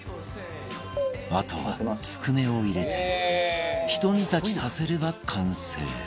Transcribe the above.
あとはつくねを入れてひと煮立ちさせれば完成